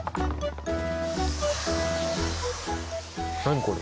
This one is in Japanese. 何これ？